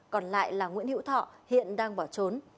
còn lại là nguyễn hữu thọ hiện đang bỏ trốn